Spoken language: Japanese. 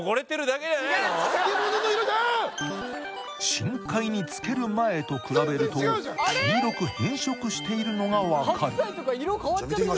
深海に漬ける前と比べると黄色く変色しているのが分かるじゃ見てみ